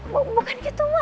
bukan gitu ma